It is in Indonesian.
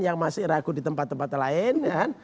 yang masih ragu di tempat tempat lain